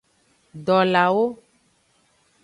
Dolawo.